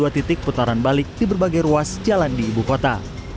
dua titik putaran balik di berbagai ruas jalan di ibu kota